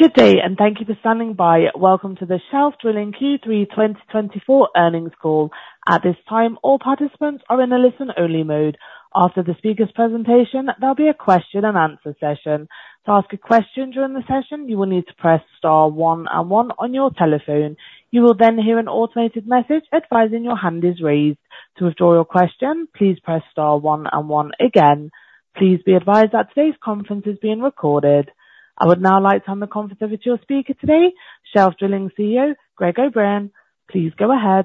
Good day, and thank you for standing by. Welcome to the Shelf Drilling Q3 2024 Earnings Call. At this time, all participants are in a listen-only mode. After the speaker's presentation, there'll be a question-and-answer session. To ask a question during the session, you will need to press star one and one on your telephone. You will then hear an automated message advising your hand is raised. To withdraw your question, please press star one and one again. Please be advised that today's conference is being recorded. I would now like to hand the conference over to your speaker today, Shelf Drilling CEO, Greg O'Brien. Please go ahead.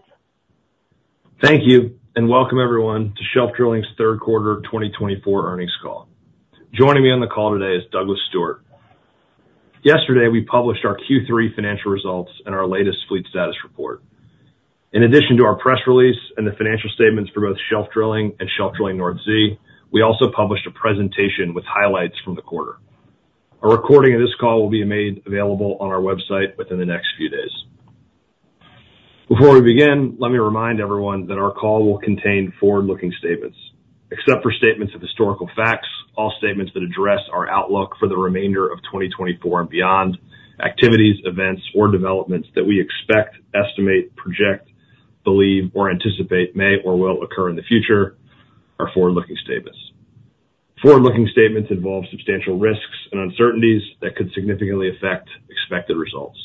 Thank you, and welcome everyone to Shelf Drilling's Third Quarter 2024 Earnings Call. Joining me on the call today is Douglas Stewart. Yesterday, we published our Q3 financial results and our latest fleet status report. In addition to our press release and the financial statements for both Shelf Drilling and Shelf Drilling North Sea, we also published a presentation with highlights from the quarter. A recording of this call will be made available on our website within the next few days. Before we begin, let me remind everyone that our call will contain forward-looking statements. Except for statements of historical facts, all statements that address our outlook for the remainder of 2024 and beyond, activities, events, or developments that we expect, estimate, project, believe, or anticipate may or will occur in the future are forward-looking statements. Forward-looking statements involve substantial risks and uncertainties that could significantly affect expected results.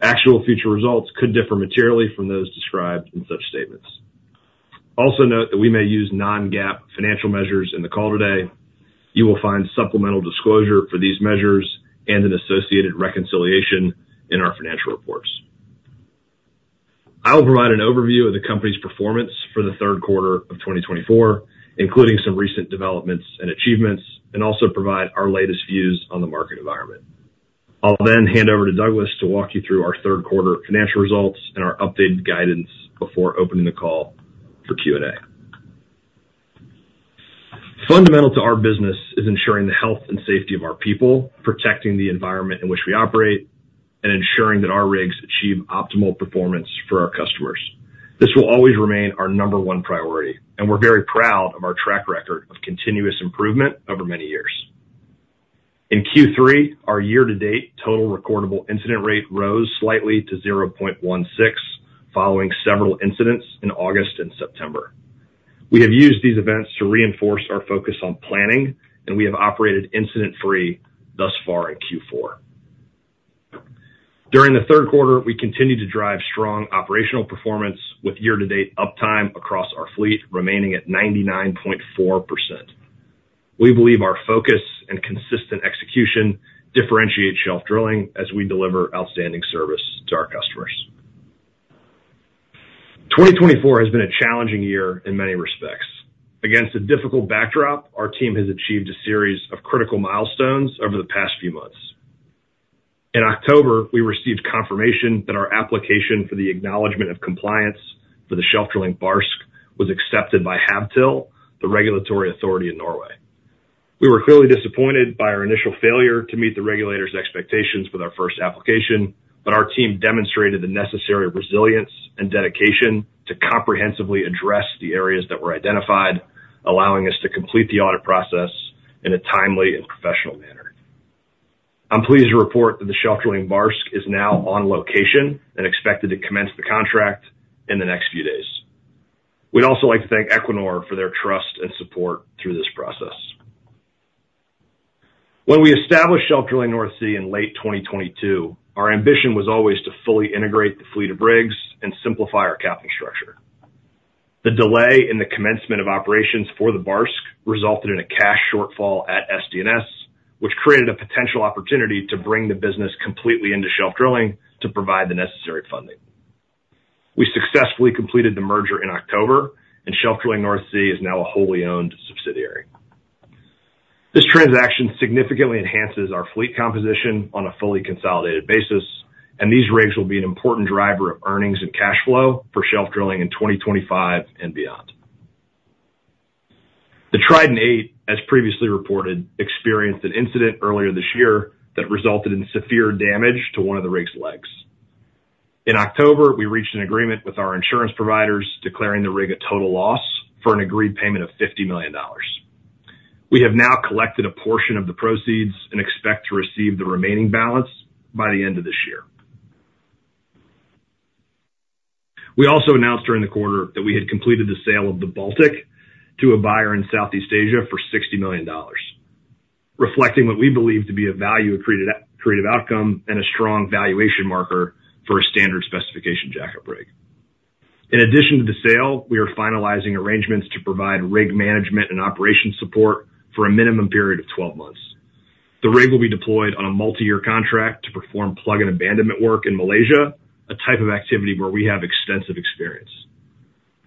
Actual future results could differ materially from those described in such statements. Also note that we may use non-GAAP financial measures in the call today. You will find supplemental disclosure for these measures and an associated reconciliation in our financial reports. I will provide an overview of the company's performance for the third quarter of 2024, including some recent developments and achievements, and also provide our latest views on the market environment. I'll then hand over to Douglas to walk you through our third quarter financial results and our updated guidance before opening the call for Q&A. Fundamental to our business is ensuring the health and safety of our people, protecting the environment in which we operate, and ensuring that our rigs achieve optimal performance for our customers. This will always remain our number one priority, and we're very proud of our track record of continuous improvement over many years. In Q3, our year-to-date total recordable incident rate rose slightly to 0.16 following several incidents in August and September. We have used these events to reinforce our focus on planning, and we have operated incident-free thus far in Q4. During the third quarter, we continue to drive strong operational performance with year-to-date uptime across our fleet remaining at 99.4%. We believe our focus and consistent execution differentiate Shelf Drilling as we deliver outstanding service to our customers. 2024 has been a challenging year in many respects. Against a difficult backdrop, our team has achieved a series of critical milestones over the past few months. In October, we received confirmation that our application for the acknowledgment of compliance for the Shelf Drilling Barsk was accepted by Havtil, the regulatory authority in Norway. We were clearly disappointed by our initial failure to meet the regulator's expectations with our first application, but our team demonstrated the necessary resilience and dedication to comprehensively address the areas that were identified, allowing us to complete the audit process in a timely and professional manner. I'm pleased to report that the Shelf Drilling Barsk is now on location and expected to commence the contract in the next few days. We'd also like to thank Equinor for their trust and support through this process. When we established Shelf Drilling North Sea in late 2022, our ambition was always to fully integrate the fleet of rigs and simplify our capping structure. The delay in the commencement of operations for the Barsk resulted in a cash shortfall at SDNS, which created a potential opportunity to bring the business completely into Shelf Drilling to provide the necessary funding. We successfully completed the merger in October, and Shelf Drilling North Sea is now a wholly owned subsidiary. This transaction significantly enhances our fleet composition on a fully consolidated basis, and these rigs will be an important driver of earnings and cash flow for Shelf Drilling in 2025 and beyond. The Trident VIII, as previously reported, experienced an incident earlier this year that resulted in severe damage to one of the rig's legs. In October, we reached an agreement with our insurance providers, declaring the rig a total loss for an agreed payment of $50 million. We have now collected a portion of the proceeds and expect to receive the remaining balance by the end of this year. We also announced during the quarter that we had completed the sale of the Baltic to a buyer in Southeast Asia for $60 million, reflecting what we believe to be a value-accretive outcome and a strong valuation marker for a standard specification jack-up rig. In addition to the sale, we are finalizing arrangements to provide rig management and operation support for a minimum period of 12 months. The rig will be deployed on a multi-year contract to perform plug and abandonment work in Malaysia, a type of activity where we have extensive experience.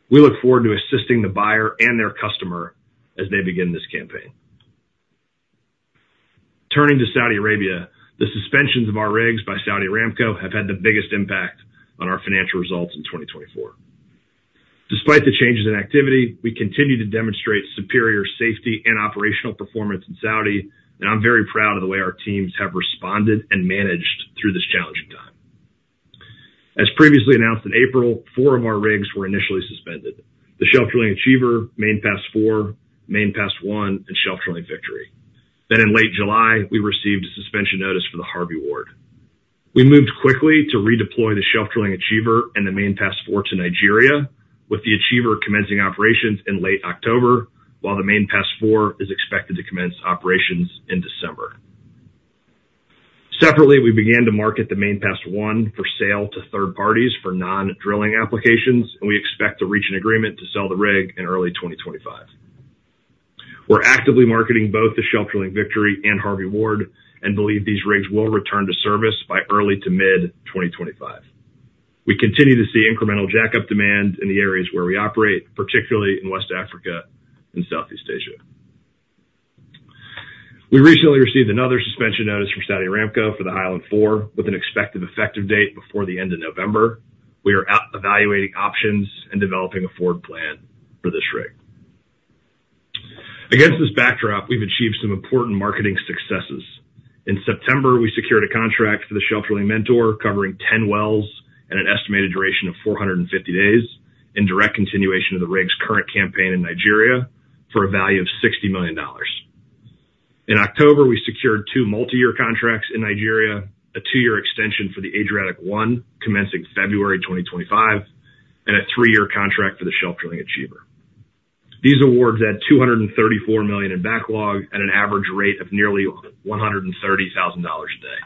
We look forward to assisting the buyer and their customer as they begin this campaign. Turning to Saudi Arabia, the suspensions of our rigs by Saudi Aramco have had the biggest impact on our financial results in 2024. Despite the changes in activity, we continue to demonstrate superior safety and operational performance in Saudi, and I'm very proud of the way our teams have responded and managed through this challenging time. As previously announced in April, four of our rigs were initially suspended: the Shelf Drilling Achiever, Main Pass IV, Main Pass I, and Shelf Drilling Victory. Then, in late July, we received a suspension notice for the Harvey Ward. We moved quickly to redeploy the Shelf Drilling Achiever and the Main Pass IV to Nigeria, with the Achiever commencing operations in late October, while the Main Pass IV is expected to commence operations in December. Separately, we began to market the Main Pass I for sale to third parties for non-drilling applications, and we expect to reach an agreement to sell the rig in early 2025. We're actively marketing both the Shelf Drilling Victory and Harvey Ward and believe these rigs will return to service by early to mid-2025. We continue to see incremental jack-up demand in the areas where we operate, particularly in West Africa and Southeast Asia. We recently received another suspension notice from Saudi Aramco for the High Island IV, with an expected effective date before the end of November. We are evaluating options and developing a forward plan for this rig. Against this backdrop, we've achieved some important marketing successes. In September, we secured a contract for the Shelf Drilling Mentor, covering 10 wells and an estimated duration of 450 days, in direct continuation of the rig's current campaign in Nigeria for a value of $60 million. In October, we secured two multi-year contracts in Nigeria, a two-year extension for the Adriatic I commencing February 2025, and a three-year contract for the Shelf Drilling Achiever. These awards add $234 million in backlog at an average rate of nearly $130,000 a day.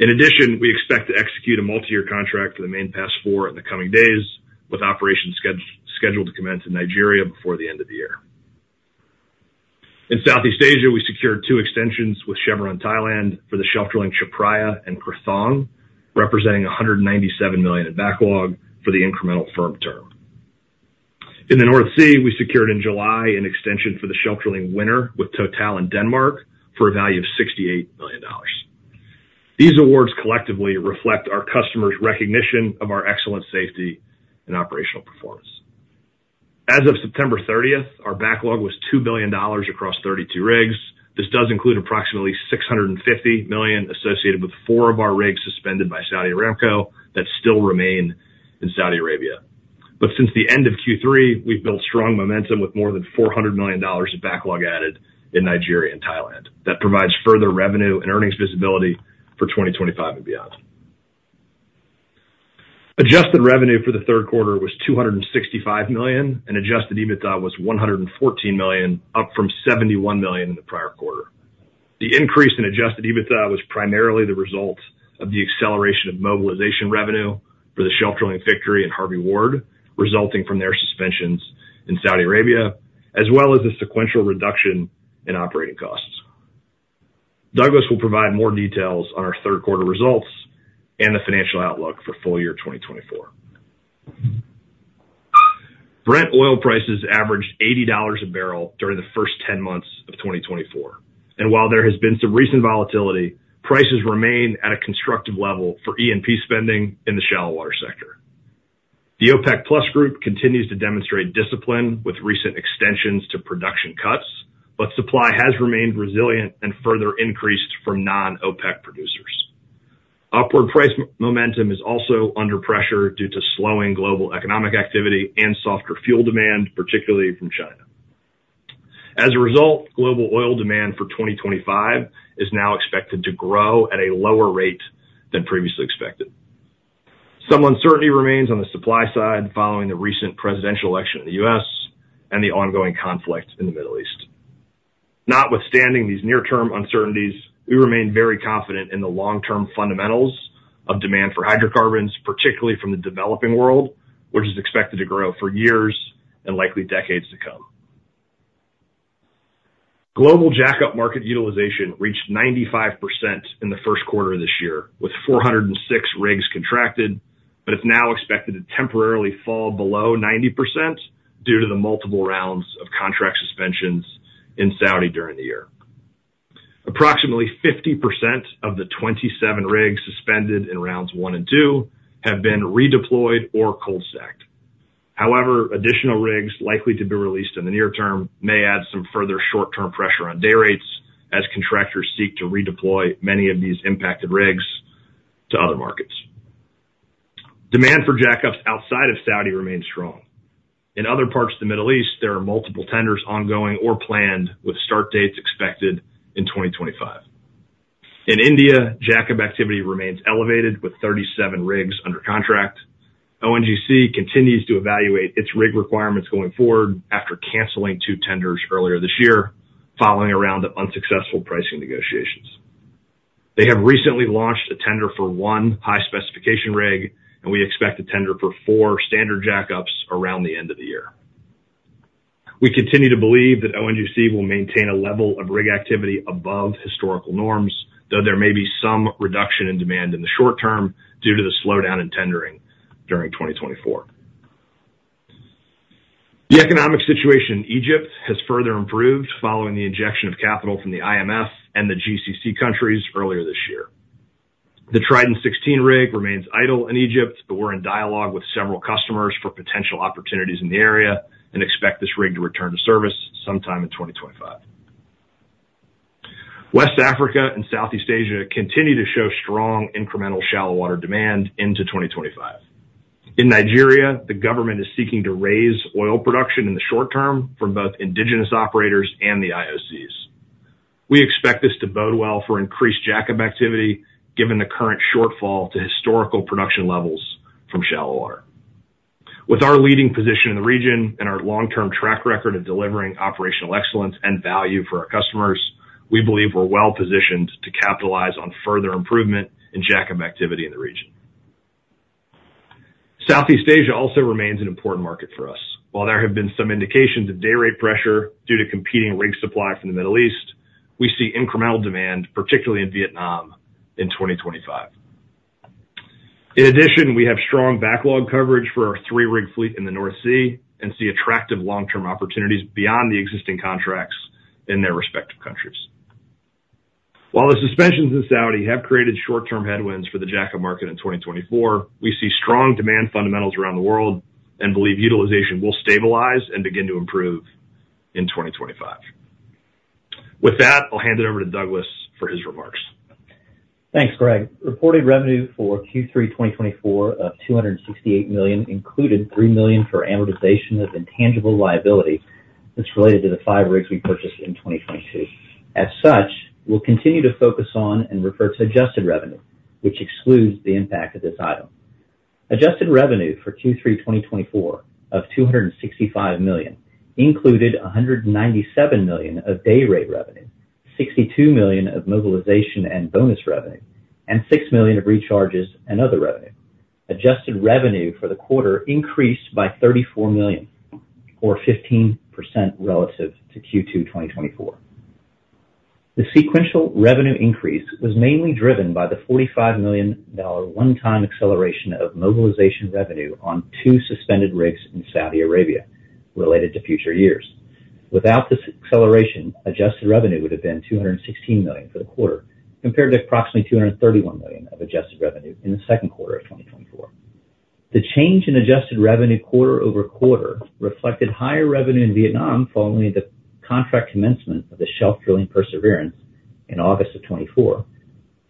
In addition, we expect to execute a multi-year contract for the Main Pass IV in the coming days, with operations scheduled to commence in Nigeria before the end of the year. In Southeast Asia, we secured two extensions with Chevron Thailand for the Shelf Drilling Chaophraya and Krathong, representing $197 million in backlog for the incremental firm term. In the North Sea, we secured in July an extension for the Shelf Drilling Winner with Total in Denmark for a value of $68 million. These awards collectively reflect our customers' recognition of our excellent safety and operational performance. As of September 30th, our backlog was $2 billion across 32 rigs. This does include approximately $650 million associated with four of our rigs suspended by Saudi Aramco that still remain in Saudi Arabia. But since the end of Q3, we've built strong momentum with more than $400 million of backlog added in Nigeria and Thailand. That provides further revenue and earnings visibility for 2025 and beyond. Adjusted revenue for the third quarter was $265 million, and adjusted EBITDA was $114 million, up from $71 million in the prior quarter. The increase in adjusted EBITDA was primarily the result of the acceleration of mobilization revenue for the Shelf Drilling Victory and Harvey Ward, resulting from their suspensions in Saudi Arabia, as well as the sequential reduction in operating costs. Douglas will provide more details on our third quarter results and the financial outlook for full year 2024. Brent oil prices averaged $80 a barrel during the first 10 months of 2024. And while there has been some recent volatility, prices remain at a constructive level for E&P spending in the shallow water sector. The OPEC+ group continues to demonstrate discipline with recent extensions to production cuts, but supply has remained resilient and further increased from non-OPEC producers. Upward price momentum is also under pressure due to slowing global economic activity and softer fuel demand, particularly from China. As a result, global oil demand for 2025 is now expected to grow at a lower rate than previously expected. Some uncertainty remains on the supply side following the recent presidential election in the U.S. and the ongoing conflict in the Middle East. Notwithstanding these near-term uncertainties, we remain very confident in the long-term fundamentals of demand for hydrocarbons, particularly from the developing world, which is expected to grow for years and likely decades to come. Global jack-up market utilization reached 95% in the first quarter of this year, with 406 rigs contracted, but it's now expected to temporarily fall below 90% due to the multiple rounds of contract suspensions in Saudi during the year. Approximately 50% of the 27 rigs suspended in rounds one and two have been redeployed or cold stacked. However, additional rigs likely to be released in the near term may add some further short-term pressure on day rates as contractors seek to redeploy many of these impacted rigs to other markets. Demand for jack-ups outside of Saudi remains strong. In other parts of the Middle East, there are multiple tenders ongoing or planned, with start dates expected in 2025. In India, jack-up activity remains elevated with 37 rigs under contract. ONGC continues to evaluate its rig requirements going forward after canceling two tenders earlier this year following a round of unsuccessful pricing negotiations. They have recently launched a tender for one high-specification rig, and we expect a tender for four standard jack-ups around the end of the year. We continue to believe that ONGC will maintain a level of rig activity above historical norms, though there may be some reduction in demand in the short term due to the slowdown in tendering during 2024. The economic situation in Egypt has further improved following the injection of capital from the IMF and the GCC countries earlier this year. The Trident 16 rig remains idle in Egypt, but we're in dialogue with several customers for potential opportunities in the area and expect this rig to return to service sometime in 2025. West Africa and Southeast Asia continue to show strong incremental shallow water demand into 2025. In Nigeria, the government is seeking to raise oil production in the short term from both indigenous operators and the IOCs. We expect this to bode well for increased jack-up activity, given the current shortfall to historical production levels from shallow water. With our leading position in the region and our long-term track record of delivering operational excellence and value for our customers, we believe we're well positioned to capitalize on further improvement in jack-up activity in the region. Southeast Asia also remains an important market for us. While there have been some indications of day rate pressure due to competing rig supply from the Middle East, we see incremental demand, particularly in Vietnam, in 2025. In addition, we have strong backlog coverage for our three-rig fleet in the North Sea and see attractive long-term opportunities beyond the existing contracts in their respective countries. While the suspensions in Saudi have created short-term headwinds for the jack-up market in 2024, we see strong demand fundamentals around the world and believe utilization will stabilize and begin to improve in 2025. With that, I'll hand it over to Douglas for his remarks. Thanks, Greg. Reported revenue for Q3 2024 of $268 million included $3 million for amortization of intangible liability that's related to the five rigs we purchased in 2022. As such, we'll continue to focus on and refer to adjusted revenue, which excludes the impact of this item. Adjusted revenue for Q3 2024 of $265 million included $197 million of day rate revenue, $62 million of mobilization and bonus revenue, and $6 million of recharges and other revenue. Adjusted revenue for the quarter increased by $34 million, or 15% relative to Q2 2024. The sequential revenue increase was mainly driven by the $45 million one-time acceleration of mobilization revenue on two suspended rigs in Saudi Arabia related to future years. Without this acceleration, adjusted revenue would have been $216 million for the quarter, compared to approximately $231 million of adjusted revenue in the second quarter of 2024. The change in adjusted revenue quarter over quarter reflected higher revenue in Vietnam following the contract commencement of the Shelf Drilling Perseverance in August of 2024,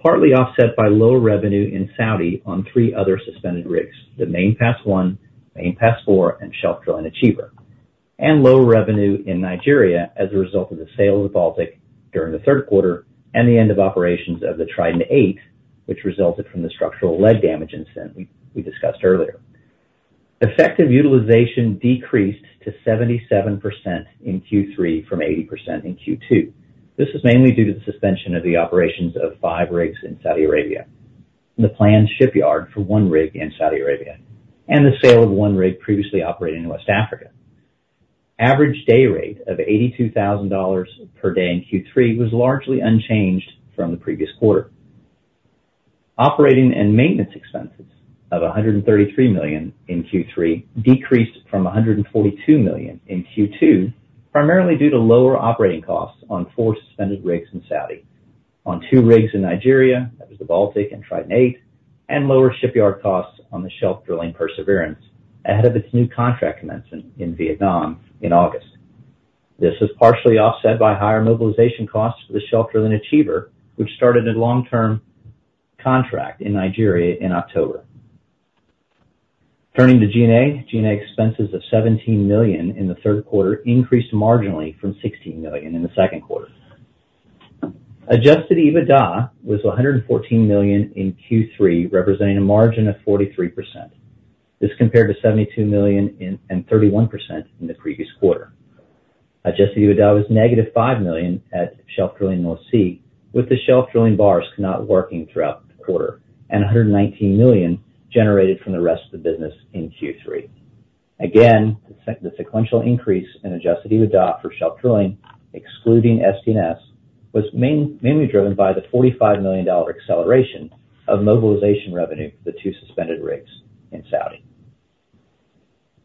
partly offset by lower revenue in Saudi on three other suspended rigs, the Main Pass I, Main Pass IV, and Shelf Drilling Achiever, and lower revenue in Nigeria as a result of the sale of the Baltic during the third quarter and the end of operations of the Trident VIII, which resulted from the structural leg damage incident we discussed earlier. Effective utilization decreased to 77% in Q3 from 80% in Q2. This is mainly due to the suspension of the operations of five rigs in Saudi Arabia, the planned shipyard for one rig in Saudi Arabia, and the sale of one rig previously operating in West Africa. Average day rate of $82,000 per day in Q3 was largely unchanged from the previous quarter. Operating and maintenance expenses of $133 million in Q3 decreased from $142 million in Q2, primarily due to lower operating costs on four suspended rigs in Saudi, on two rigs in Nigeria - that was the Baltic and Trident VIII - and lower shipyard costs on the Shelf Drilling Perseverance ahead of its new contract commencement in Vietnam in August. This was partially offset by higher mobilization costs for the Shelf Drilling Achiever, which started a long-term contract in Nigeria in October. Turning to G&A, G&A expenses of $17 million in the third quarter increased marginally from $16 million in the second quarter. Adjusted EBITDA was $114 million in Q3, representing a margin of 43%. This compared to $72 million and 31% in the previous quarter. Adjusted EBITDA was -$5 million at Shelf Drilling North Sea, with the Shelf Drilling Barsk not working throughout the quarter, and $119 million generated from the rest of the business in Q3. Again, the sequential increase in adjusted EBITDA for Shelf Drilling, excluding SDNS, was mainly driven by the $45 million acceleration of mobilization revenue for the two suspended rigs in Saudi.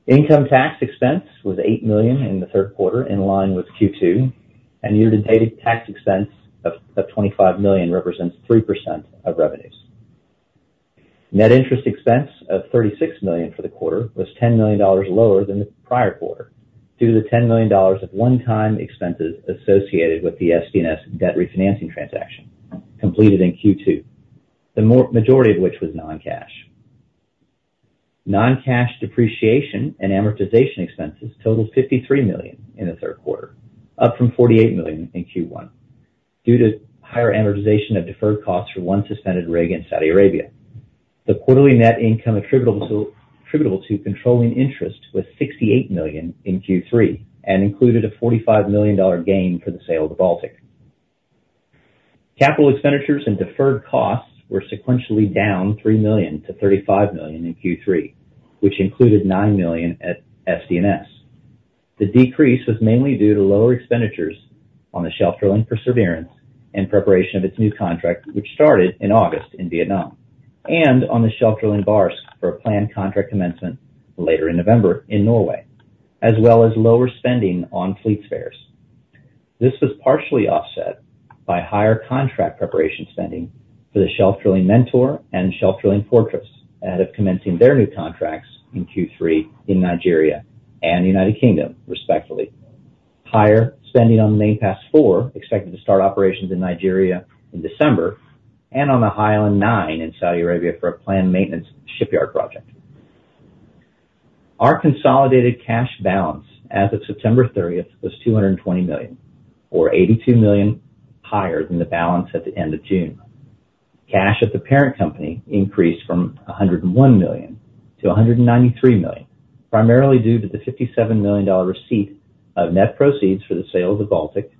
Income tax expense was $8 million in the third quarter, in line with Q2, and year-to-date tax expense of $25 million represents 3% of revenues. Net interest expense of $36 million for the quarter was $10 million lower than the prior quarter due to the $10 million of one-time expenses associated with the SDNS debt refinancing transaction completed in Q2, the majority of which was non-cash. Non-cash depreciation and amortization expenses totaled $53 million in the third quarter, up from $48 million in Q1 due to higher amortization of deferred costs for one suspended rig in Saudi Arabia. The quarterly net income attributable to controlling interest was $68 million in Q3 and included a $45 million gain for the sale of the Baltic. Capital expenditures and deferred costs were sequentially down $3 million to $35 million in Q3, which included $9 million at SDNS. The decrease was mainly due to lower expenditures on the Shelf Drilling Perseverance in preparation of its new contract, which started in August in Vietnam, and on the Shelf Drilling Barsk for a planned contract commencement later in November in Norway, as well as lower spending on fleet spares. This was partially offset by higher contract preparation spending for the Shelf Drilling Mentor and Shelf Drilling Fortress ahead of commencing their new contracts in Q3 in Nigeria and the United Kingdom, respectively. Higher spending on the Main Pass IV, expected to start operations in Nigeria in December, and on the High Island IX in Saudi Arabia for a planned maintenance shipyard project. Our consolidated cash balance as of September 30th was $220 million, or $82 million higher than the balance at the end of June. Cash at the parent company increased from $101 million to $193 million, primarily due to the $57 million receipt of net proceeds for the sale of the Baltic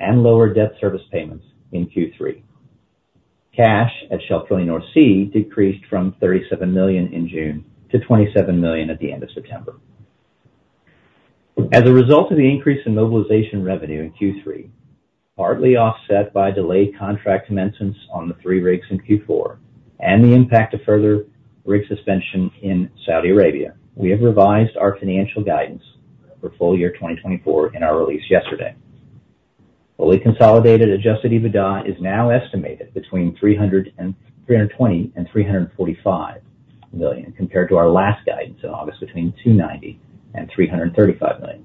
and lower debt service payments in Q3. Cash at Shelf Drilling North Sea decreased from $37 million in June to $27 million at the end of September. As a result of the increase in mobilization revenue in Q3, partly offset by delayed contract commencements on the three rigs in Q4 and the impact of further rig suspension in Saudi Arabia, we have revised our financial guidance for full year 2024 in our release yesterday. Fully consolidated Adjusted EBITDA is now estimated between $320 million-$345 million, compared to our last guidance in August between $290 million-$335 million.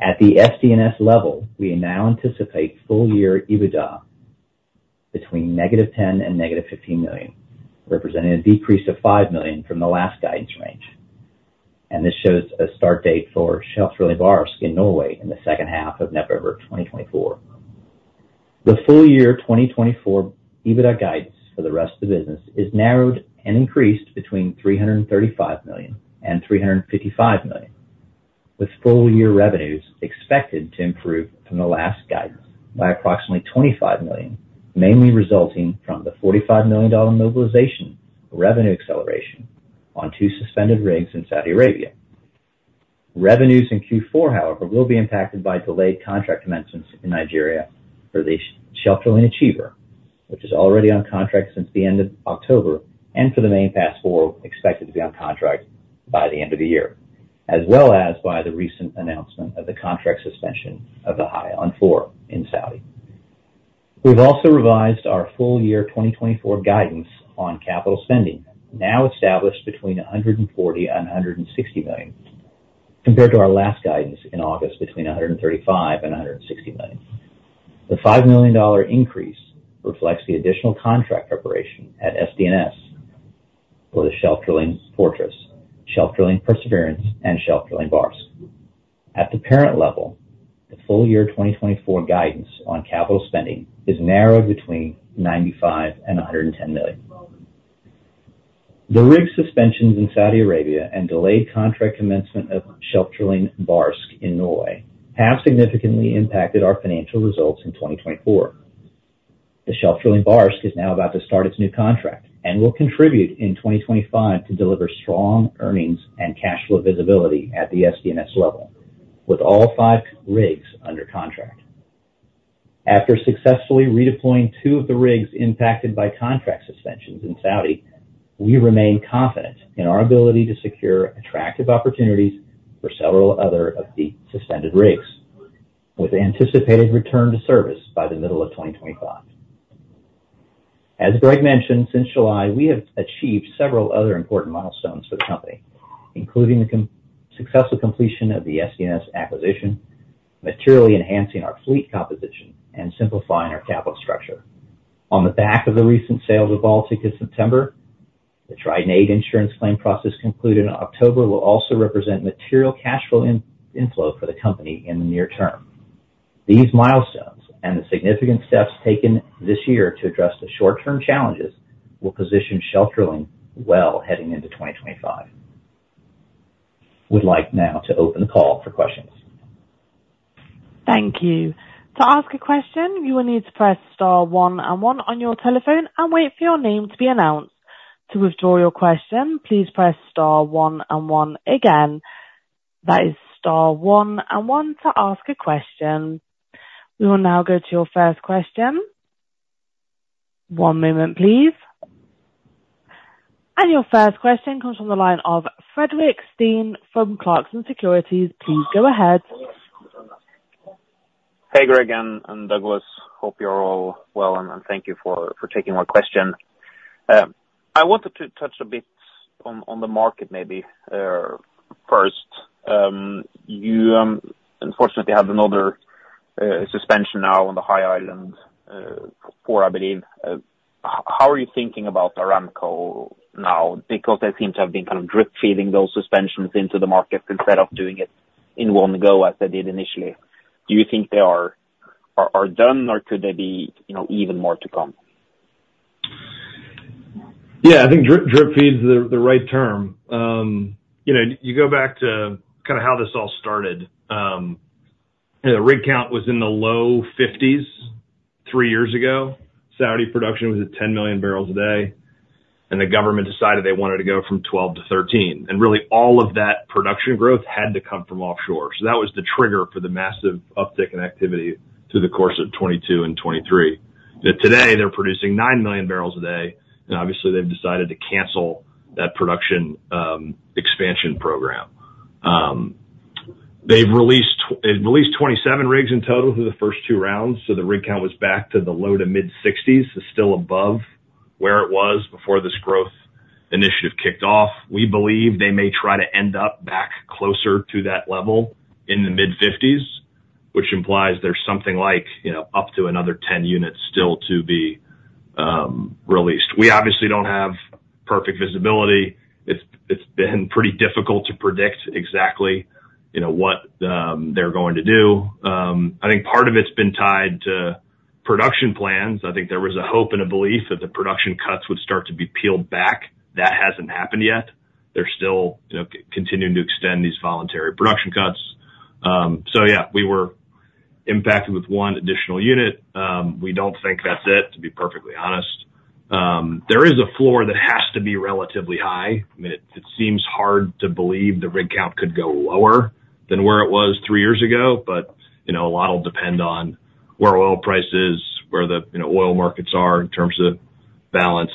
At the SDNS level, we now anticipate full year EBITDA between -$10 million and -$15 million, representing a decrease of $5 million from the last guidance range, and this shows a start date for Shelf Drilling Barsk in Norway in the second half of November 2024. The full year 2024 EBITDA guidance for the rest of the business is narrowed and increased between $335 million and $355 million, with full year revenues expected to improve from the last guidance by approximately $25 million, mainly resulting from the $45 million mobilization revenue acceleration on two suspended rigs in Saudi Arabia. Revenues in Q4, however, will be impacted by delayed contract commencements in Nigeria for the Shelf Drilling Achiever, which is already on contract since the end of October and for the Main Pass IV, expected to be on contract by the end of the year, as well as by the recent announcement of the contract suspension of the High Island IV in Saudi. We've also revised our full year 2024 guidance on capital spending, now established between $140 million and $160 million, compared to our last guidance in August between $135 million and $160 million. The $5 million increase reflects the additional contract preparation at SDNS for the Shelf Drilling Fortress, Shelf Drilling Perseverance, and Shelf Drilling Barsk. At the parent level, the full year 2024 guidance on capital spending is narrowed between $95 million and $110 million. The rig suspensions in Saudi Arabia and delayed contract commencement of Shelf Drilling Barsk in Norway have significantly impacted our financial results in 2024. The Shelf Drilling Barsk is now about to start its new contract and will contribute in 2025 to deliver strong earnings and cash flow visibility at the SDNS level, with all five rigs under contract. After successfully redeploying two of the rigs impacted by contract suspensions in Saudi, we remain confident in our ability to secure attractive opportunities for several other of the suspended rigs, with anticipated return to service by the middle of 2025. As Greg mentioned, since July, we have achieved several other important milestones for the company, including the successful completion of the SDNS acquisition, materially enhancing our fleet composition, and simplifying our capital structure. On the back of the recent sale of the Baltic in September, the Trident VIII insurance claim process concluded in October will also represent material cash flow inflow for the company in the near term. These milestones and the significant steps taken this year to address the short-term challenges will position Shelf Drilling well heading into 2025. We'd like now to open the call for questions. Thank you. To ask a question, you will need to press star one and one on your telephone and wait for your name to be announced. To withdraw your question, please press star one and one again. That is star one and one to ask a question. We will now go to your first question. One moment, please. Your first question comes from the line of Fredrik Stene from Clarksons Securities. Please go ahead. Hey, Greg and Douglas. Hope you're all well. Thank you for taking my question. I wanted to touch a bit on the market, maybe, first. You unfortunately have another suspension now on the High Island IV, I believe. How are you thinking about Aramco now? Because they seem to have been kind of drip-feeding those suspensions into the market instead of doing it in one go as they did initially. Do you think they are done, or could there be even more to come? Yeah, I think drip-feed is the right term. You go back to kind of how this all started. The rig count was in the low 50s three years ago. Saudi production was at 10 million barrels a day. The government decided they wanted to go from 12 to 13. Really, all of that production growth had to come from offshore. That was the trigger for the massive uptick in activity through the course of 2022 and 2023. Today, they're producing nine million barrels a day. Obviously, they've decided to cancel that production expansion program. They've released 27 rigs in total through the first two rounds. The rig count was back to the low to mid-60s, still above where it was before this growth initiative kicked off. We believe they may try to end up back closer to that level in the mid-50s, which implies there's something like up to another 10 units still to be released. We obviously don't have perfect visibility. It's been pretty difficult to predict exactly what they're going to do. I think part of it's been tied to production plans. I think there was a hope and a belief that the production cuts would start to be peeled back. That hasn't happened yet. They're still continuing to extend these voluntary production cuts. So yeah, we were impacted with one additional unit. We don't think that's it, to be perfectly honest. There is a floor that has to be relatively high. I mean, it seems hard to believe the rig count could go lower than where it was three years ago. But a lot will depend on where oil price is, where the oil markets are in terms of balance.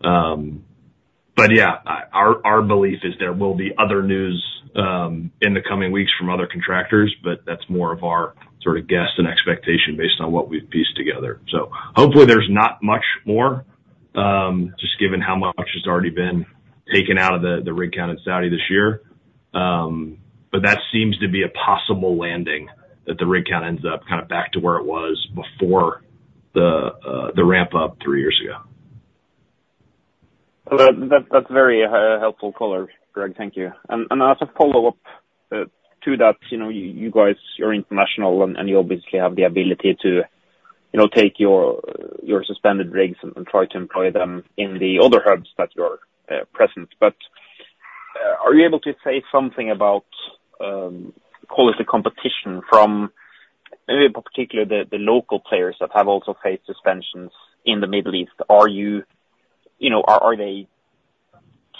But yeah, our belief is there will be other news in the coming weeks from other contractors. But that's more of our sort of guess and expectation based on what we've pieced together. So hopefully, there's not much more, just given how much has already been taken out of the rig count in Saudi this year. But that seems to be a possible landing that the rig count ends up kind of back to where it was before the ramp-up three years ago. That's a very helpful color, Greg. Thank you. And as a follow-up to that, you guys, you're international, and you obviously have the ability to take your suspended rigs and try to employ them in the other hubs that you're present. But are you able to say something about quality competition from maybe particularly the local players that have also faced suspensions in the Middle East? Are they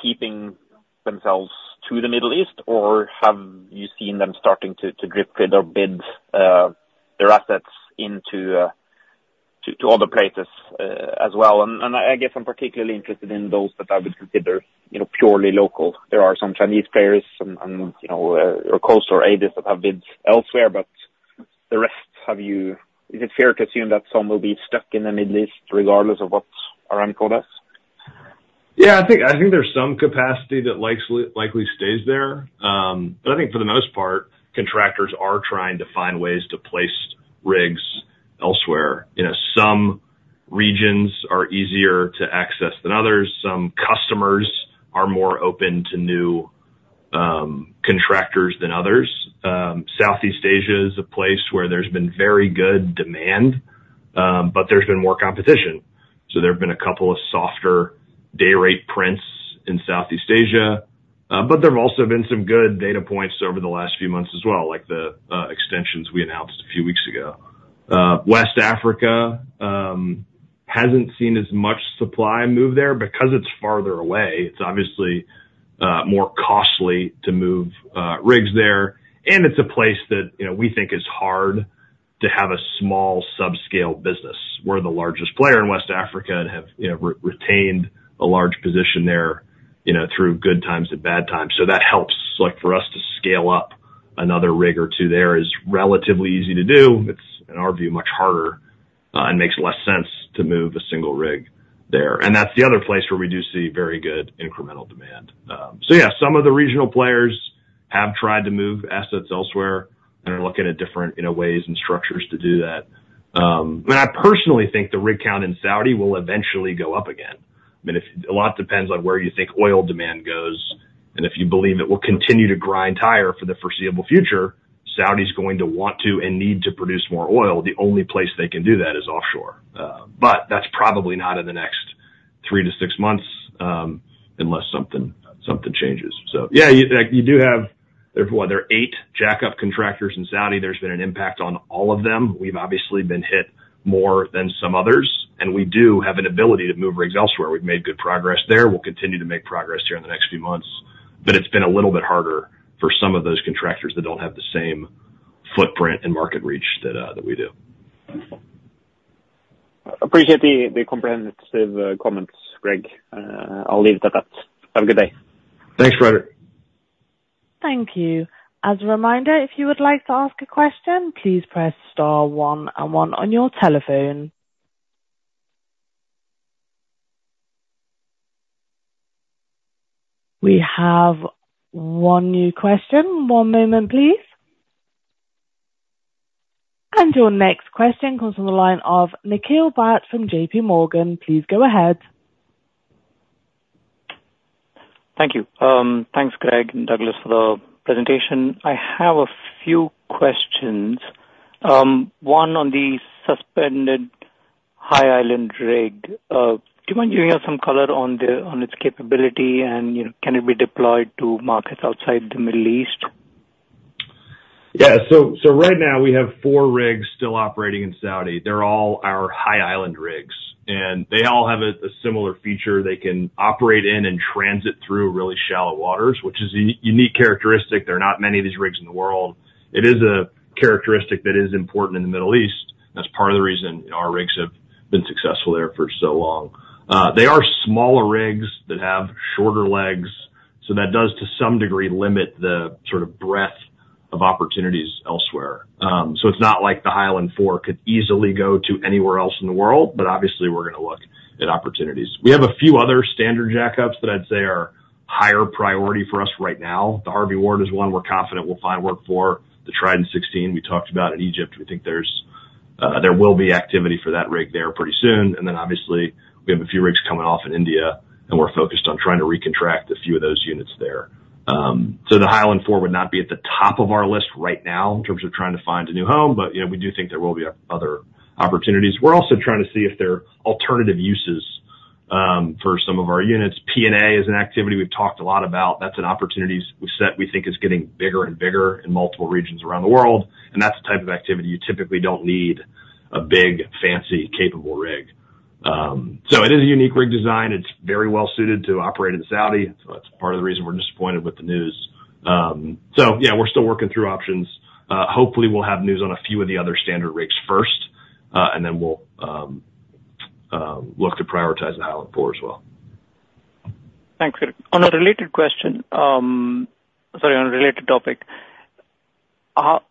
keeping themselves to the Middle East, or have you seen them starting to directly bid or bid their assets into other places as well? I guess I'm particularly interested in those that I would consider purely local. There are some Chinese players and your coastal areas that have bids elsewhere. The rest, is it fair to assume that some will be stuck in the Middle East regardless of what Aramco does? Yeah, I think there's some capacity that likely stays there. I think for the most part, contractors are trying to find ways to place rigs elsewhere. Some regions are easier to access than others. Some customers are more open to new contractors than others. Southeast Asia is a place where there's been very good demand, but there's been more competition. There have been a couple of softer day rate prints in Southeast Asia. There have also been some good data points over the last few months as well, like the extensions we announced a few weeks ago. West Africa hasn't seen as much supply move there because it's farther away. It's obviously more costly to move rigs there. And it's a place that we think is hard to have a small subscale business. We're the largest player in West Africa and have retained a large position there through good times and bad times. So that helps for us to scale up another rig or two there is relatively easy to do. It's, in our view, much harder and makes less sense to move a single rig there. And that's the other place where we do see very good incremental demand. So yeah, some of the regional players have tried to move assets elsewhere and are looking at different ways and structures to do that. I mean, I personally think the rig count in Saudi will eventually go up again. I mean, a lot depends on where you think oil demand goes. And if you believe it will continue to grind higher for the foreseeable future, Saudi is going to want to and need to produce more oil. The only place they can do that is offshore. But that's probably not in the next three to six months unless something changes. So yeah, you do have. There are eight jack-up contractors in Saudi. There's been an impact on all of them. We've obviously been hit more than some others. And we do have an ability to move rigs elsewhere. We've made good progress there. We'll continue to make progress here in the next few months. But it's been a little bit harder for some of those contractors that don't have the same footprint and market reach that we do. Appreciate the comprehensive comments, Greg. I'll leave it at that. Have a good day. Thanks, Fredrik. Thank you. As a reminder, if you would like to ask a question, please press star one and one on your telephone. We have one new question. One moment, please. And your next question comes from the line of Nikhil Bhat from J.P. Morgan. Please go ahead. Thank you. Thanks, Greg and Douglas, for the presentation. I have a few questions. One on the suspended High Island rig. Do you mind giving us some color on its capability and can it be deployed to markets outside the Middle East? Yeah. So right now, we have four rigs still operating in Saudi. They're all our High Island rigs. And they all have a similar feature. They can operate in and transit through really shallow waters, which is a unique characteristic. There are not many of these rigs in the world. It is a characteristic that is important in the Middle East. That's part of the reason our rigs have been successful there for so long. They are smaller rigs that have shorter legs, so that does, to some degree, limit the sort of breadth of opportunities elsewhere, so it's not like the High Island IV could easily go to anywhere else in the world, but obviously, we're going to look at opportunities. We have a few other standard jack-ups that I'd say are higher priority for us right now. The Harvey Ward is one we're confident we'll find work for. The Trident 16, we talked about in Egypt. We think there will be activity for that rig there pretty soon, and then obviously, we have a few rigs coming off in India, and we're focused on trying to recontract a few of those units there. So the High Island IV would not be at the top of our list right now in terms of trying to find a new home. But we do think there will be other opportunities. We're also trying to see if there are alternative uses for some of our units. P&A is an activity we've talked a lot about. That's an opportunity we think is getting bigger and bigger in multiple regions around the world. And that's the type of activity you typically don't need a big, fancy, capable rig. So it is a unique rig design. It's very well suited to operate in Saudi. So that's part of the reason we're disappointed with the news. So yeah, we're still working through options. Hopefully, we'll have news on a few of the other standard rigs first. And then we'll look to prioritize the High Island IV as well. Thanks, Greg. On a related question, sorry, on a related topic, how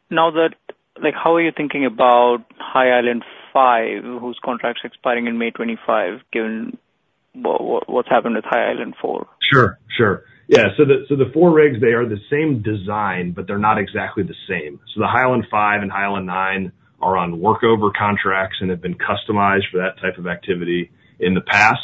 are you thinking about High Island V, whose contract is expiring in May 2025, given what's happened with High Island IV? Sure. Sure. Yeah. So the four rigs, they are the same design, but they're not exactly the same. So the High Island V and High Island IX are on workover contracts and have been customized for that type of activity in the past.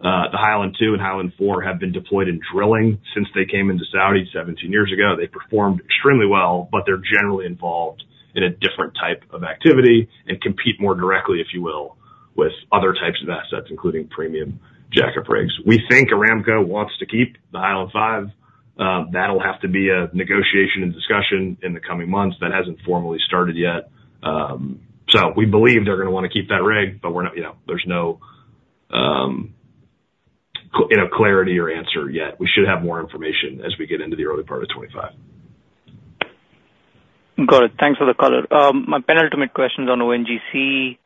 The High Island II and High Island IV have been deployed in drilling since they came into Saudi 17 years ago. They performed extremely well, but they're generally involved in a different type of activity and compete more directly, if you will, with other types of assets, including premium jack-up rigs. We think Aramco wants to keep the High Island V. That'll have to be a negotiation and discussion in the coming months. That hasn't formally started yet. We believe they're going to want to keep that rig. But there's no clarity or answer yet. We should have more information as we get into the early part of 2025. Got it. Thanks for the color. My penultimate question is on ONGC.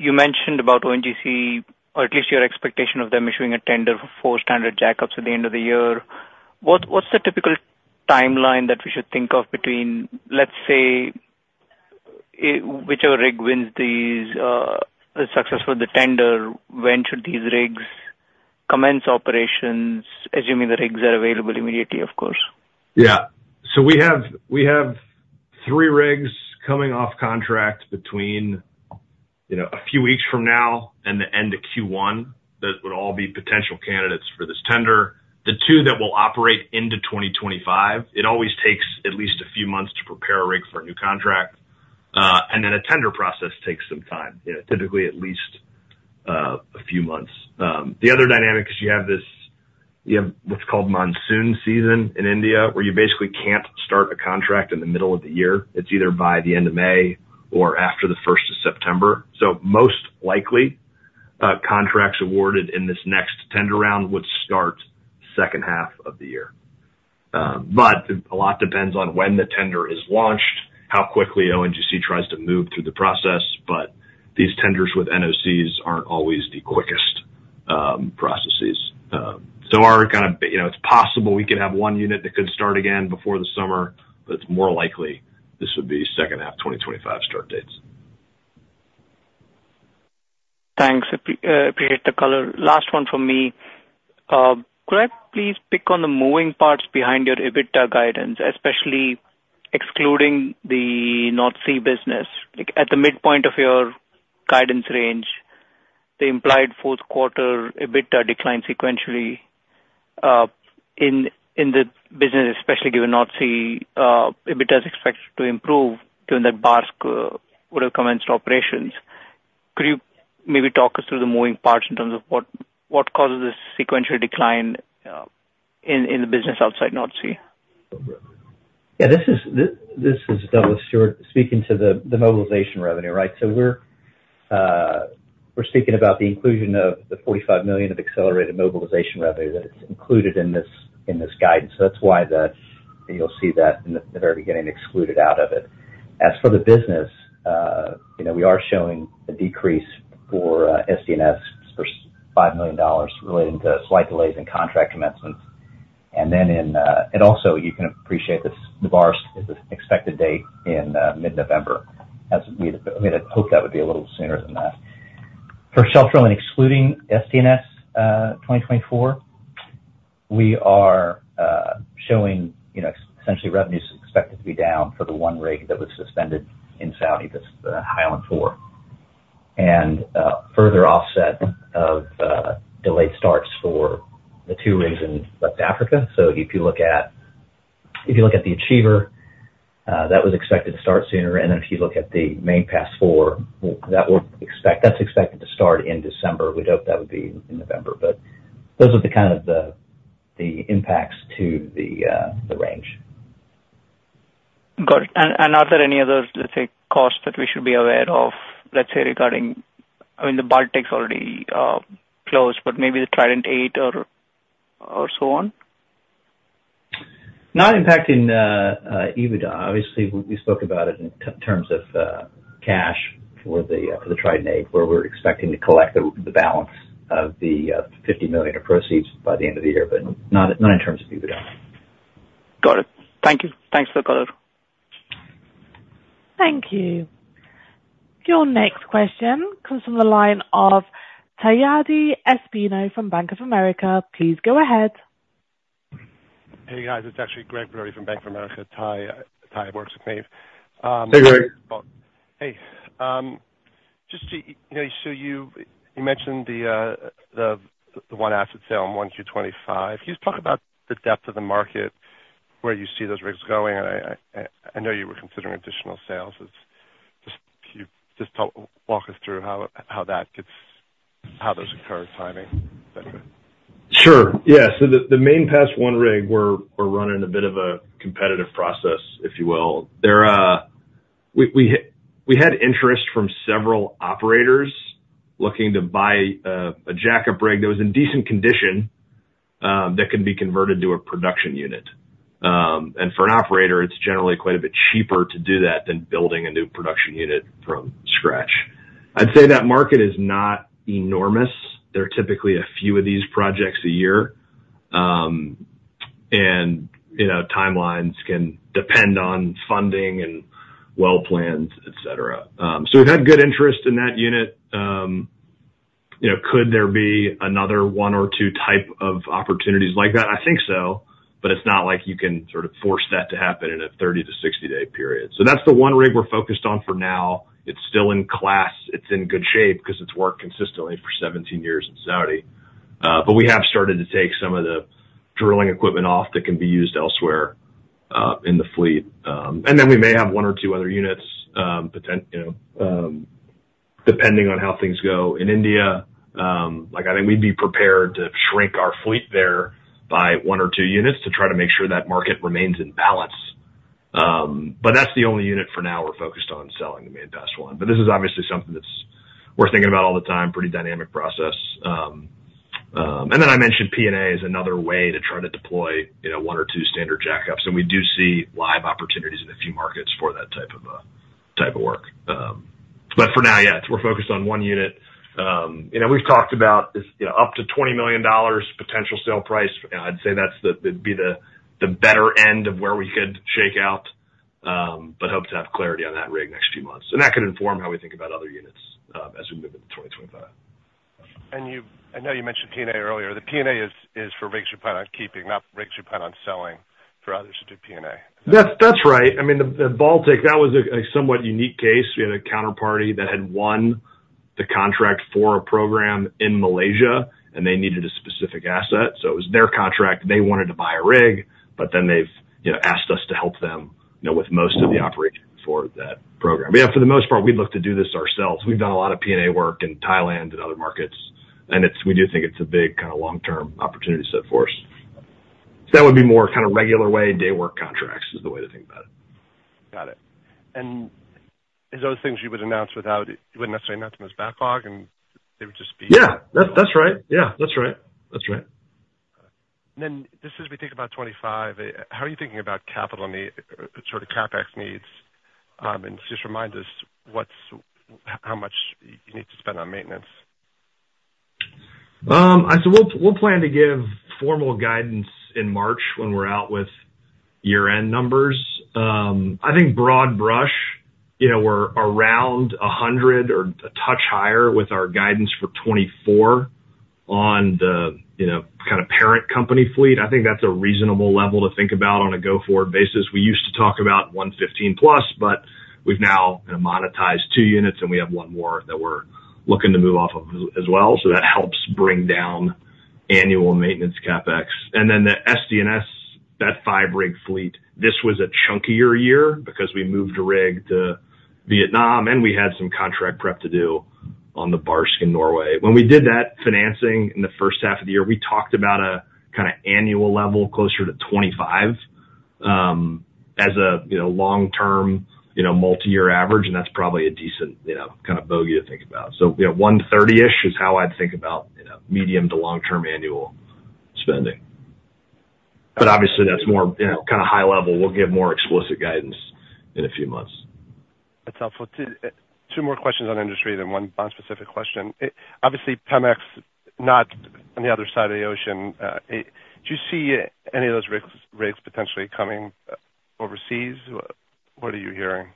You mentioned about ONGC, or at least your expectation of them issuing a tender for four standard jack-ups at the end of the year. What's the typical timeline that we should think of between, let's say, whichever rig wins the success for the tender? When should these rigs commence operations, assuming the rigs are available immediately, of course? Yeah. So we have three rigs coming off contract between a few weeks from now and the end of Q1 that would all be potential candidates for this tender. The two that will operate into 2025. It always takes at least a few months to prepare a rig for a new contract. And then a tender process takes some time, typically at least a few months. The other dynamic is you have what's called monsoon season in India, where you basically can't start a contract in the middle of the year. It's either by the end of May or after the 1st of September. So most likely, contracts awarded in this next tender round would start second half of the year. But a lot depends on when the tender is launched, how quickly ONGC tries to move through the process. But these tenders with NOCs aren't always the quickest processes. So kind of it's possible we could have one unit that could start again before the summer. But it's more likely this would be second half 2025 start dates. Thanks. Appreciate the color. Last one from me. Could I please pick on the moving parts behind your EBITDA guidance, especially excluding the North Sea business? At the midpoint of your guidance range, the implied fourth quarter EBITDA declined sequentially in the business, especially given North Sea EBITDA is expected to improve given that Barsk would have commenced operations. Could you maybe talk us through the moving parts in terms of what causes this sequential decline in the business outside North Sea? Yeah. This is Douglas Stewart speaking to the mobilization revenue, right? So we're speaking about the inclusion of the $45 million of accelerated mobilization revenue that is included in this guidance. So that's why you'll see that in the very beginning excluded out of it. As for the business, we are showing a decrease for SDNS for $5 million relating to slight delays in contract commencements. And then in it also, you can appreciate the Barsk is expected date in mid-November. I mean, I hope that would be a little sooner than that. For Shelf Drilling, excluding SDNS 2024, we are showing essentially revenues expected to be down for the one rig that was suspended in Saudi, the High Island IV. And further offset of delayed starts for the two rigs in West Africa. So if you look at the Achiever, that was expected to start sooner. And then if you look at the Main Pass IV, that's expected to start in December. We'd hope that would be in November. But those are kind of the impacts to the range. Got it. Are there any other, let's say, costs that we should be aware of, let's say, regarding I mean, the Barsk is already closed, but maybe the Trident VIII or so on? Not impacting EBITDA. Obviously, we spoke about it in terms of cash for the Trident VIII, where we're expecting to collect the balance of the $50 million of proceeds by the end of the year, but not in terms of EBITDA. Got it. Thank you. Thanks for the color. Thank you. Your next question comes from the line of Taiyadi Espino from Bank of America. Please go ahead. Hey, guys. It's actually Gregory from Bank of America. Tai works with me. Hey, Greg. Hey. Just so you mentioned the one asset sale on 1Q 2025. Can you just talk about the depth of the market where you see those rigs going? I know you were considering additional sales. Just walk us through how that gets, how those occur, timing, etc. Sure. Yeah. So the Main Pass I rig, we're running a bit of a competitive process, if you will. We had interest from several operators looking to buy a jack-up rig that was in decent condition that could be converted to a production unit. And for an operator, it's generally quite a bit cheaper to do that than building a new production unit from scratch. I'd say that market is not enormous. There are typically a few of these projects a year. And timelines can depend on funding and well-planned, etc. So we've had good interest in that unit. Could there be another one or two type of opportunities like that? I think so. But it's not like you can sort of force that to happen in a 30- to 60-day period. So that's the one rig we're focused on for now. It's still in class. It's in good shape because it's worked consistently for 17 years in Saudi. But we have started to take some of the drilling equipment off that can be used elsewhere in the fleet. And then we may have one or two other units, depending on how things go in India. I think we'd be prepared to shrink our fleet there by one or two units to try to make sure that market remains in balance. But that's the only unit for now we're focused on selling, the Main Pass I. But this is obviously something that we're thinking about all the time, pretty dynamic process. And then I mentioned P&A is another way to try to deploy one or two standard jack-ups. We do see live opportunities in a few markets for that type of work. For now, yeah, we're focused on one unit. We've talked about up to $20 million potential sale price. I'd say that'd be the better end of where we could shake out. Hope to have clarity on that rig next few months. That could inform how we think about other units as we move into 2025. I know you mentioned P&A earlier. The P&A is for rigs you plan on keeping, not rigs you plan on selling for others to do P&A. That's right. I mean, the Baltic, that was a somewhat unique case. We had a counterparty that had won the contract for a program in Malaysia, and they needed a specific asset. It was their contract. They wanted to buy a rig, but then they've asked us to help them with most of the operation for that program. But yeah, for the most part, we'd look to do this ourselves. We've done a lot of P&A work in Thailand and other markets. And we do think it's a big kind of long-term opportunity set for us. So that would be more kind of regular way, day-work contracts is the way to think about it. Got it. And is those things you wouldn't necessarily announce them as backlog, and they would just be? Yeah. That's right. Yeah. That's right. That's right. And then just as we think about 2025, how are you thinking about capital and sort of CapEx needs? And just remind us how much you need to spend on maintenance. So we'll plan to give formal guidance in March when we're out with year-end numbers. I think broad brush, we're around 100 or a touch higher with our guidance for 2024 on the kind of parent company fleet. I think that's a reasonable level to think about on a go-forward basis. We used to talk about 115 plus, but we've now monetized two units, and we have one more that we're looking to move off of as well, so that helps bring down annual maintenance CapEx, and then the SDNS, that five-rig fleet, this was a chunkier year because we moved a rig to Vietnam, and we had some contract prep to do on the Barsk in Norway. When we did that financing in the first half of the year, we talked about a kind of annual level closer to 25 as a long-term multi-year average, and that's probably a decent kind of bogey to think about. So, 130-ish is how I'd think about medium to long-term annual spending. But obviously, that's more kind of high level. We'll give more explicit guidance in a few months. That's helpful. Two more questions on industry than one non-specific question. Obviously, Pemex, not on the other side of the ocean. Do you see any of those rigs potentially coming overseas? What are you hearing?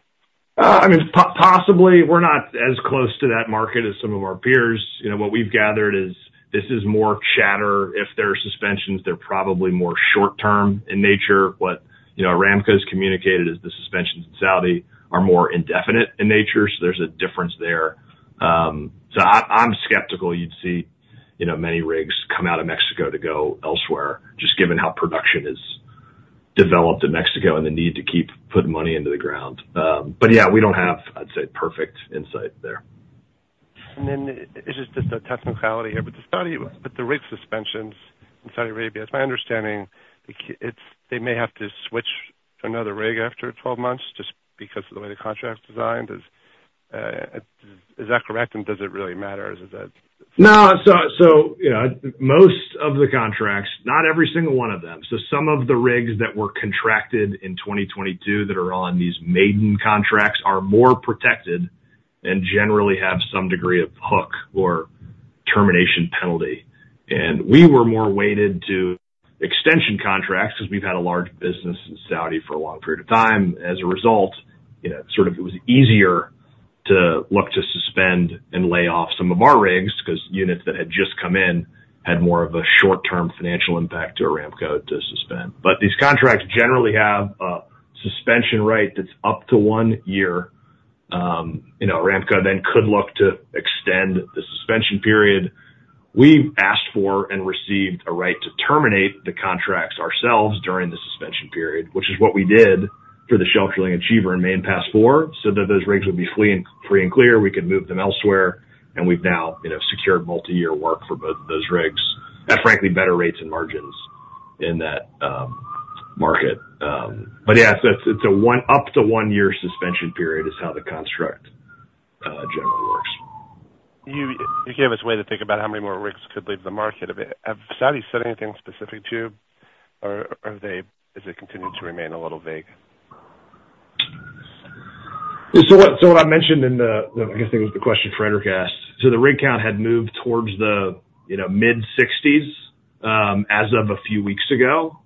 I mean, possibly. We're not as close to that market as some of our peers. What we've gathered is this is more chatter. If there are suspensions, they're probably more short-term in nature. What Aramco has communicated is the suspensions in Saudi are more indefinite in nature. So there's a difference there. So I'm skeptical you'd see many rigs come out of Mexico to go elsewhere, just given how production is developed in Mexico and the need to keep putting money into the ground. But yeah, we don't have, I'd say, perfect insight there. And then this is just a technicality here, but the rig suspensions in Saudi Arabia, it's my understanding they may have to switch to another rig after 12 months just because of the way the contract's designed. Is that correct? And does it really matter? Is that? No. So most of the contracts, not every single one of them. So some of the rigs that were contracted in 2022 that are on these maiden contracts are more protected and generally have some degree of hook or termination penalty. And we were more weighted to extension contracts because we've had a large business in Saudi for a long period of time. As a result, sort of, it was easier to look to suspend and lay off some of our rigs because units that had just come in had more of a short-term financial impact to Aramco to suspend, but these contracts generally have a suspension rate that's up to one year. Aramco then could look to extend the suspension period. We've asked for and received a right to terminate the contracts ourselves during the suspension period, which is what we did for the Shelf Drilling Achiever and Main Pass IV, so that those rigs would be free and clear, we could move them elsewhere, and we've now secured multi-year work for both of those rigs at frankly better rates and margins in that market, but yeah, it's up to one-year suspension period is how the construct generally works. You gave us a way to think about how many more rigs could leave the market. Have Saudi said anything specific to you, or is it continuing to remain a little vague? So what I mentioned in the, I guess it was the question Fredrik asked, so the rig count had moved towards the mid-60s as of a few weeks ago.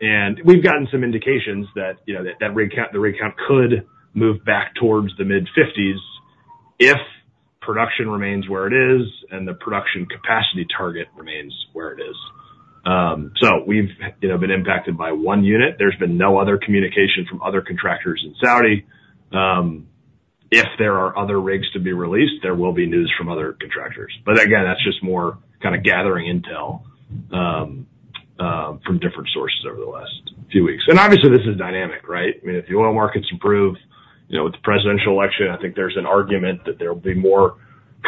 And we've gotten some indications that that rig count could move back towards the mid-50s if production remains where it is and the production capacity target remains where it is. So we've been impacted by one unit. There's been no other communication from other contractors in Saudi. If there are other rigs to be released, there will be news from other contractors. But again, that's just more kind of gathering intel from different sources over the last few weeks. And obviously, this is dynamic, right? I mean, if the oil markets improve with the presidential election, I think there's an argument that there will be more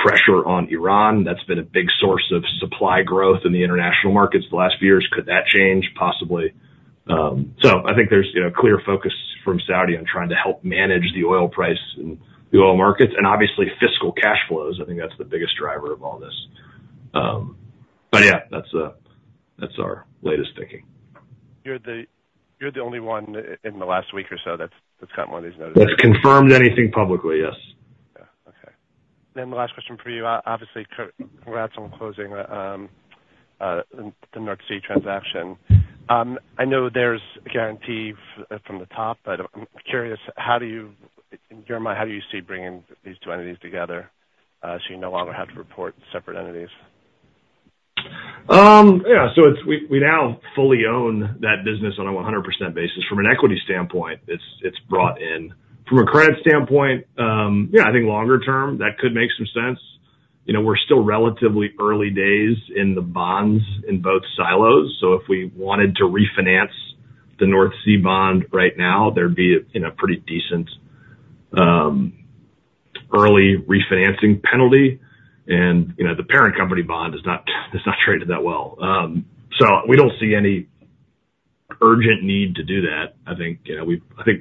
pressure on Iran. That's been a big source of supply growth in the international markets the last few years. Could that change possibly? So I think there's clear focus from Saudi on trying to help manage the oil price and the oil markets. And obviously, fiscal cash flows, I think that's the biggest driver of all this. But yeah, that's our latest thinking. You're the only one in the last week or so that's gotten one of these notices. That's confirmed anything publicly, yes. Yeah. Okay. And then the last question for you. Obviously, congrats on closing the North Sea transaction. I know there's a guarantee from the top, but I'm curious, in your mind, how do you see bringing these two entities together so you no longer have to report separate entities? Yeah. So we now fully own that business on a 100% basis. From an equity standpoint, it's brought in. From a credit standpoint, yeah, I think longer term, that could make some sense. We're still relatively early days in the bonds in both silos. So if we wanted to refinance the North Sea bond right now, there'd be a pretty decent early refinancing penalty. And the parent company bond is not traded that well. So we don't see any urgent need to do that. I think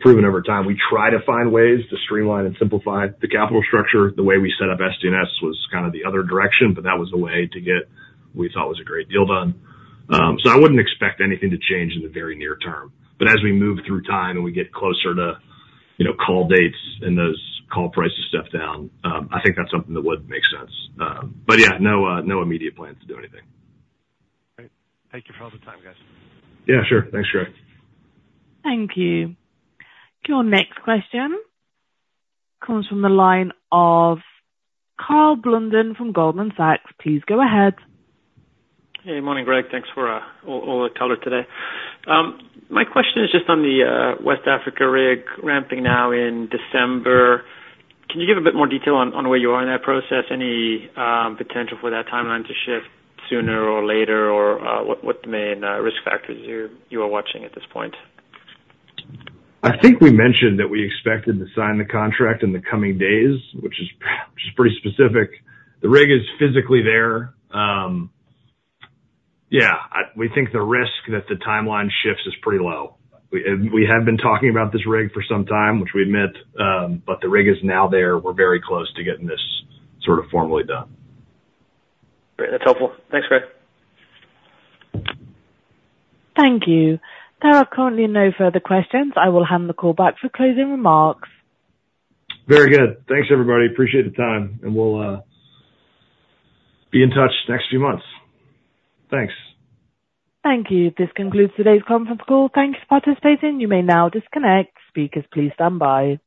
proven over time, we try to find ways to streamline and simplify the capital structure. The way we set up SDNS was kind of the other direction, but that was the way to get what we thought was a great deal done. So I wouldn't expect anything to change in the very near term. But as we move through time and we get closer to call dates and those call prices step down, I think that's something that would make sense. But yeah, no immediate plans to do anything. Great. Thank you for all the time, guys. Yeah, sure. Thanks, Greg. Thank you. Your next question comes from the line of Karl Blunden from Goldman Sachs. Please go ahead. Hey, morning, Greg. Thanks for all the color today. My question is just on the West Africa rig ramping now in December. Can you give a bit more detail on where you are in that process? Any potential for that timeline to shift sooner or later? Or, what the main risk factors you are watching at this point? I think we mentioned that we expected to sign the contract in the coming days, which is pretty specific. The rig is physically there. Yeah. We think the risk that the timeline shifts is pretty low. We have been talking about this rig for some time, which we admit. But the rig is now there. We're very close to getting this sort of formally done. Great. That's helpful. Thanks, Greg. Thank you. There are currently no further questions. I will hand the call back for closing remarks. Very good. Thanks, everybody. Appreciate the time. And we'll be in touch next few months. Thanks. Thank you. This concludes today's conference call. Thanks for participating. You may now disconnect. Speakers please stand by.